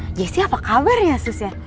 ih jessy apa kabar ya sus ya